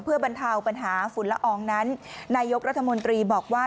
เพื่อบรรเทาปัญหาฝุ่นละอองนั้นนายกรัฐมนตรีบอกว่า